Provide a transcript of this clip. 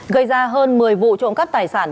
gây ra hơn một mươi vụ trộm cắp tài sản